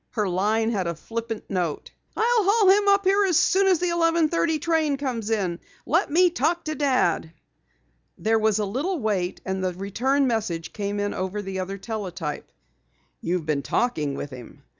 Her line had a flippant note: "I'LL HAUL HIM UP HERE AS SOON AS THE 11:30 TRAIN COMES IN. LET ME TALK TO DAD." There was a little wait and then the return message came in over the other teletype. "YOU'VE BEEN TALKING WITH HIM.